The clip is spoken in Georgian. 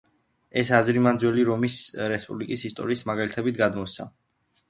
ეს აზრი მან ძველი რომის რესპუბლიკის ისტორიის მაგალითებით გადმოსცა.